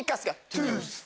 トゥース。